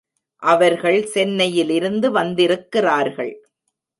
அவர்கள் சென்னையிலிருந்து வந்திருக்கிறார்கள்.